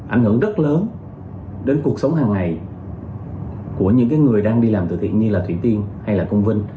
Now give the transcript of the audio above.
ảnh hưởng rất lớn đến cuộc sống hàng ngày của những người đang đi làm từ thiện như là thủy tiên hay là công vinh